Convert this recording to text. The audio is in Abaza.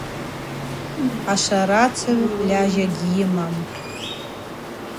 Ашварацыгӏв льажьа гьйымам.